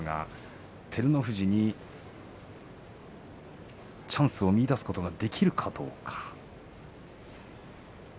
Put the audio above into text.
照ノ富士にチャンスを見いだすことができるかどうか。